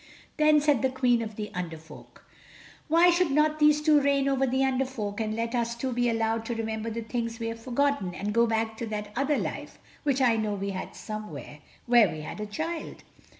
Then said the Queen of the Under Folk: "Why should not these two reign over the Under Folk and let us two be allowed to remember the things we have forgotten and go back to that other life which I know we had somewhere—where we had a child."